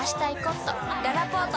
ららぽーと